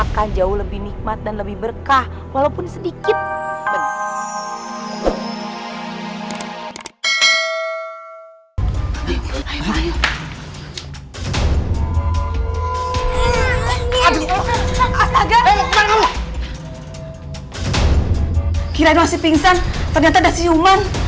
kirain masih pingsan ternyata ada si yuman